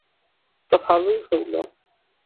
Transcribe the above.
তা ভালোই হইল।